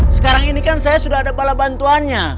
sekarang ini kan saya sudah ada bala bantuannya